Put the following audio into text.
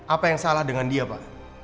apa yang salah dengan dia pak